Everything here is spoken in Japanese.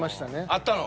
あったの？